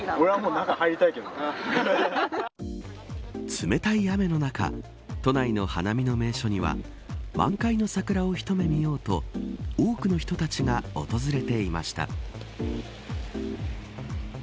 冷たい雨の中都内の花見の名所には満開の桜を一目見ようと多くの人たちが訪れていました。